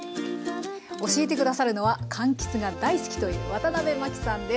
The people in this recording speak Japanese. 教えて下さるのはかんきつが大好きという渡辺麻紀さんです。